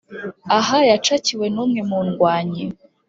aha yacakiwe numwe mundywanyi